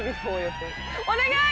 お願い。